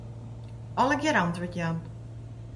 Allegearre antwurd jaan.